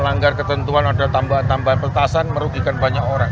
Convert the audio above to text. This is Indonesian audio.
melanggar ketentuan ada tambahan tambahan petasan merugikan banyak orang